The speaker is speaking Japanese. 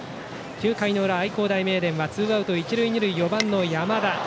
９回裏、愛工大名電はツーアウト、一塁二塁４番の山田。